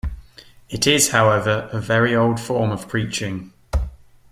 It is, however, a very old form of preaching.